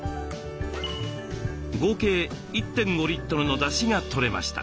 合計１．５リットルのだしがとれました。